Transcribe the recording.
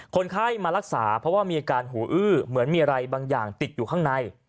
คนไข้มารักษาเพราะว่ามีอาการหูอื้อเหมือนมีอะไรบางอย่างติดอยู่ข้างใน